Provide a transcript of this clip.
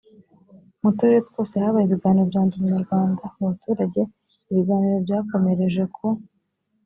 mu turere twose habaye ibiganiro bya ndi umunyarwanda. mu baturage ibiganiro byakomereje ku